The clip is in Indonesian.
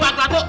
udah udah takut